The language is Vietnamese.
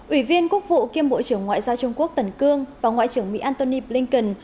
ủy viên quốc vụ kiêm bộ trưởng ngoại giao trung quốc tần cương và ngoại trưởng mỹ antony blinken